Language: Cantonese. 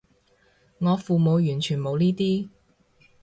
我父母完全冇呢啲